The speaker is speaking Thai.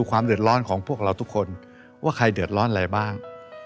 ความเดือดร้อนของพวกเราทุกคนว่าใครเดือดร้อนอะไรบ้าง